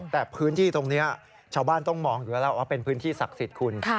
แต่พื้นที่ตรงนี้ชาวบ้านต้องมองอยู่แล้วว่าเป็นพื้นที่ศักดิ์สิทธิ์คุณ